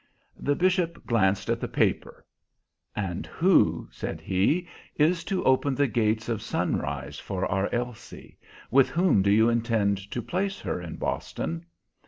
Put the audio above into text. The bishop glanced at the paper. "And who," said he, "is to open the gates of sunrise for our Elsie? With whom do you intend to place her in Boston?"